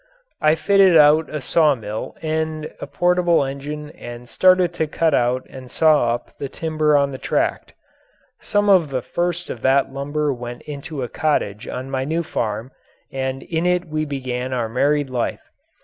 I fitted out a sawmill and a portable engine and started to cut out and saw up the timber on the tract. Some of the first of that lumber went into a cottage on my new farm and in it we began our married life.